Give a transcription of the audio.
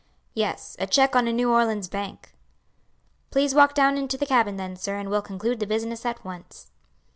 "Yes, a check on a New Orleans bank." "Please walk down into the cabin then, sir, and we'll conclude the business at once."